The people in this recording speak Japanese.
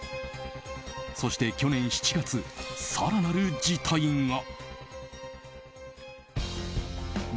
そして去年７月、更なる事態が。